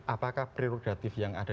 apakah prerogatif yang ada